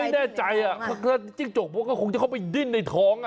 ไม่แน่ใจจิ้งจกมันก็คงจะเข้าไปดิ้นในท้อง